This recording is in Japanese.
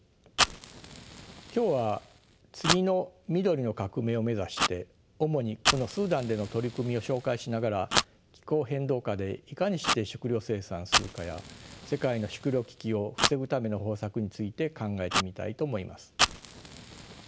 今日は次の緑の革命を目指して主にこのスーダンでの取り組みを紹介しながら気候変動下でいかにして食糧生産するかや世界の食糧危機を防ぐための方策について考えてみたいと思います。